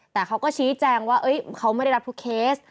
แต่เขาก็ชี้แจงว่าเขาไม่ได้รับทุกเคส